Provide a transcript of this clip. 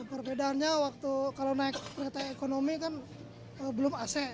perbedaannya waktu kalau naik kereta ekonomi kan belum ac